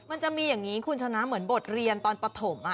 มันจะมีอย่างนี้คุณชนะเหมือนบทเรียนตอนปฐม